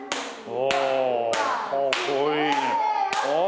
あかっこいい。